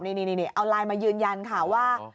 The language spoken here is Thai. นี่เอาไลน์มายืนยันค่ะว่า